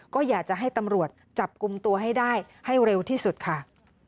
ก็อยากจะให้ตำรวจจับกลุ่มตัวให้ได้ให้เร็วที่สุดค่ะ